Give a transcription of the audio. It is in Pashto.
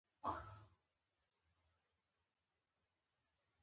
د پاچا واکونه محدود شول.